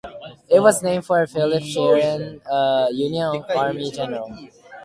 It was named for Philip Sheridan, a Union Army general.